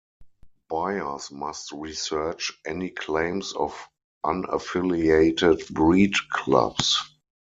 Buyers must research any claims of unaffiliated breed clubs.